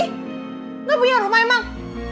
enggak punya rumah emang